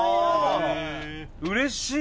うれしい！